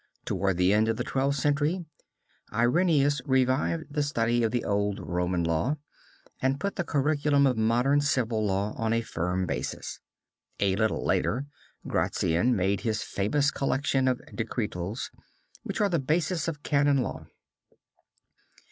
Toward the end of the Twelfth Century Irnerius revived the study of the old Roman law and put the curriculum of modern Civil Law on a firm basis. A little later Gratian made his famous collection of decretals, which are the basis of Canon Law.